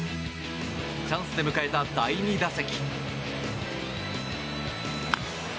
チャンスで迎えた第２打席。